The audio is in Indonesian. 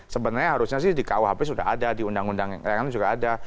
sebenarnya harusnya sih di kuhp sudah ada di undang undang yang lain juga ada